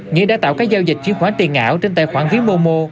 nghĩa đã tạo các giao dịch chiếc khoán tiền ảo trên tài khoản ví mô mô